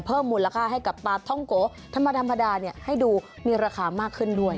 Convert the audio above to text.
เพิ่มมูลค่าธรรมดาด้าน์ให้ดูมีราคามักขึ้นด้วย